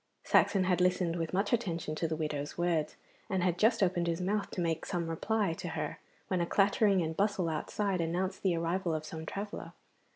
Saxon had listened with much attention to the widow's words, and had just opened his mouth to make some reply to her when a clattering and bustle outside announced the arrival of some traveller.